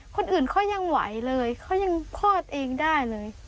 คนอื่นเขายังไหวเลยเขายังคลอดเองได้เลย